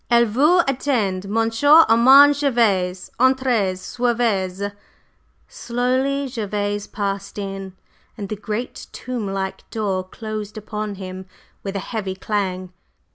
"Elle vous attend, Monsieur Armand Gervase! Entrez! Suivez!" Slowly Gervase passed in, and the great tomb like door closed upon him with a heavy clang.